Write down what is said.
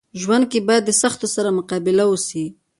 ژوند کي باید د سختيو سره مقابله وسي.